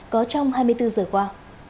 có trong hai mươi bốn giờ qua